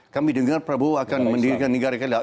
kami dengar prabowo akan mendirikan negara kita